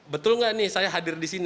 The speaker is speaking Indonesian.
betul nggak nih saya hadir di sini